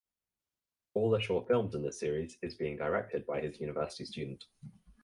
All the short films in this series is being directed by his university student.